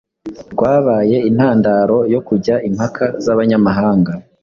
rwabaye intandaro yo kujya impaka z’abahanga,